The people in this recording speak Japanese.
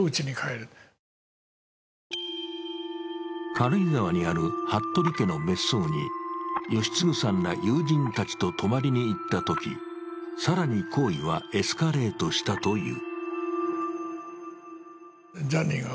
軽井沢にある服部家の別荘に吉次さんら友人たちと泊まりに行ったとき更に行為はエスカレートしたという。